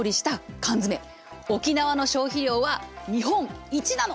沖縄の消費量は日本一なの！